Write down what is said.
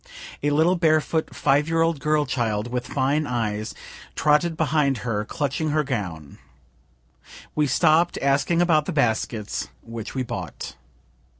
A little barefoot five year old girl child, with fine eyes, trotted behind her, clutching her gown. We stopp'd, asking about the baskets, which we bought.